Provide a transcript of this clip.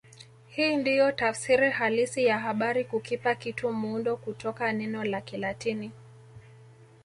Hii ndiyo tafsiri halisi ya habari kukipa kitu muundo kutoka neno la Kilatini